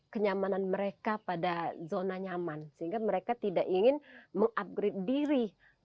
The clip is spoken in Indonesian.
kenyamanan mereka pada zona nyaman sehingga mereka tidak ingin mengupgrade diri